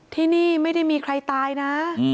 ที่นี่ไม่ได้มีใครตายนะ